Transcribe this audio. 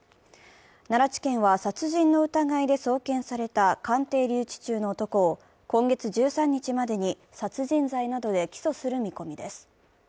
奈良地検は殺人の疑いで送検された鑑定留置中の男を今月１３日までに殺人罪などで起訴する見込みです。